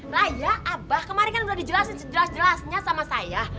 naya abah kemarin kan udah dijelasin sejelas jelasnya sama saya